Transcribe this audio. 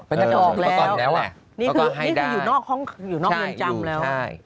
มันต้องออกแล้วนี่คืออยู่นอกยนต์จำแล้วใช่